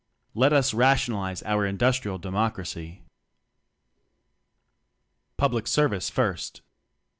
Let us rationalize our Industrial De mocracy! Public Service First.